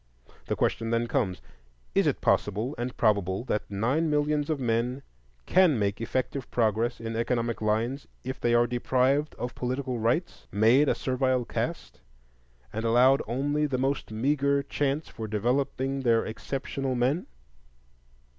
The question then comes: Is it possible, and probable, that nine millions of men can make effective progress in economic lines if they are deprived of political rights, made a servile caste, and allowed only the most meagre chance for developing their exceptional men?